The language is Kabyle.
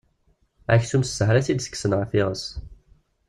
Aksum, s sshala i t-id-tekksen ɣef yiɣes.